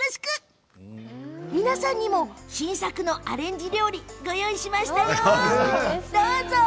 皆さんにも新作のアレンジ料理をご用意しましたよ、どうぞ。